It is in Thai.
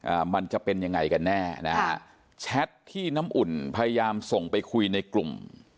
มันจะเป็นยังไงกันแน่นะฮะแชทที่น้ำอุ่นพยายามส่งไปคุยในกลุ่ม